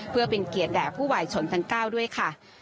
เพื่อเป็นเกียรติแด่ผู้วายชนทั้ง๙ด้วยค่ะ